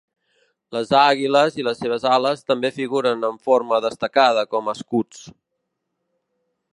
Les àguiles i les seves ales també figuren de forma destacada com a escuts.